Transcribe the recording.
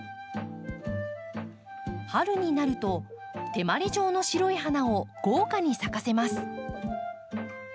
春になると手まり状の白い花を豪華に咲かせます。